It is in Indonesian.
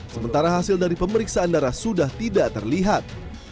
sementara hasil dari pemeriksaan darah sudah tidak terlihat